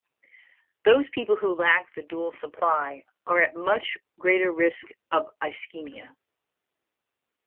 Those people who lack the dual supply are at much greater risk of ischemia.